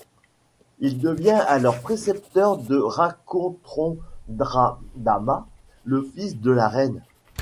Il devient alors précepteur de Rakotondradama, le fils de la reine.